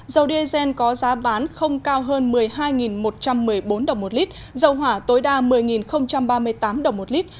dầu diesel có giá bán không cao hơn một mươi hai một trăm một mươi bốn đồng một lít dầu hỏa tối đa một mươi ba mươi tám đồng một lít